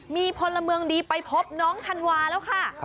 มีพลเมืองดีไปพบน้องธันวาแล้วค่ะ